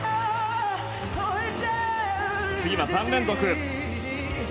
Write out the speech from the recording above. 次は３連続。